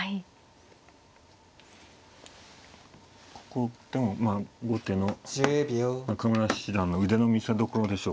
ここでもまあ後手の中村七段の腕の見せどころでしょうかね。